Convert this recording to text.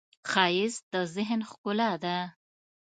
ښایست د ذهن ښکلا ده